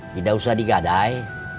tidak usah digadai